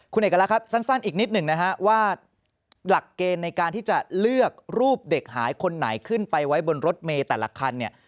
คุณเอกลักษณ์ครับสั้นอีกนิดหนึ่งนะฮะว่าหลักเกณฑ์ในการที่จะเลือกรูปเด็กหายคนไหนขึ้นไปไว้บนรถเมย์แต่ละคันเนี่ย